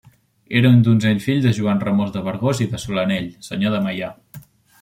Era un donzell fill de Joan Ramon de Vergós i de Solanell, senyor de Meià.